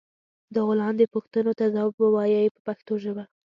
دغو لاندې پوښتنو ته ځواب و وایئ په پښتو ژبه.